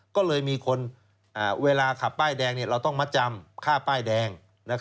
ก็เลยมีคนเวลาขับป้ายแดงเราต้องมัดจำค่าป้ายแดง